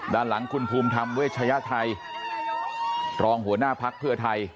ด้านหลังคุณภูมิธรรมเวชยไทยรองหัวหน้าภักดิ์เพื่อไทย